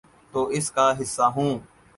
تو اس کا حصہ ہوں۔